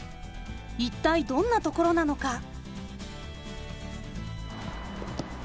一体どんなところなのか。